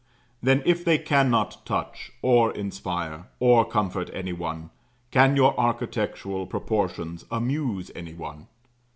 Then, if they cannot touch, or inspire, or comfort any one, can your architectural proportions amuse any one?